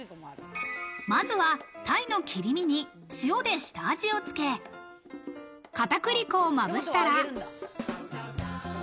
まずはタイの切り身に、塩で下味をつけ片栗粉をまぶしたら。